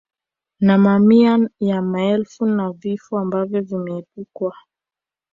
Na mamia ya maelfu ya vifo ambavyo vingeepukwa